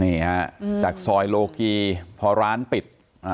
นี่ฮะจากซอยโลกีพอร้านปิด